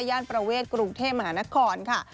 ประเวทกรุงเทพมหานครค่ะ